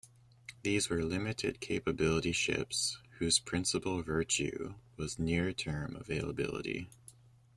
These were limited-capability ships, whose principal virtue was near-term availability.